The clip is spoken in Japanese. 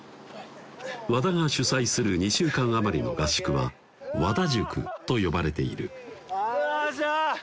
和田が主催する２週間余りの合宿は和田塾と呼ばれているよいしょ！